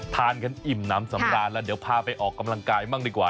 ทานกันอิ่มน้ำสำราญแล้วเดี๋ยวพาไปออกกำลังกายบ้างดีกว่า